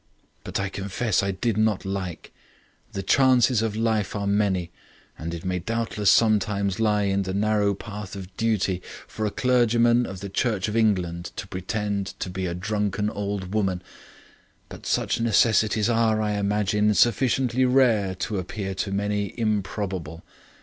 "But I confess I did not like. The chances of life are many, and it may doubtless sometimes lie in the narrow path of duty for a clergyman of the Church of England to pretend to be a drunken old woman; but such necessities are, I imagine, sufficiently rare to appear to many improbable.